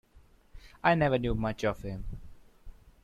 I never knew much of him.